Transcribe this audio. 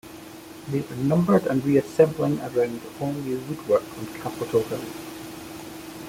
They were numbered and reassembling around all-new woodwork on Capitol Hill.